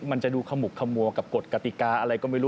มันจะดูขมุกขมัวกับกฎกติกาอะไรก็ไม่รู้